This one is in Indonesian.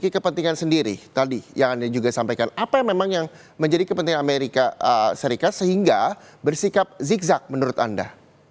kepentingan sendiri tadi yang anda juga sampaikan apa yang memang yang menjadi kepentingan amerika serikat sehingga bersikap zigzag menurut anda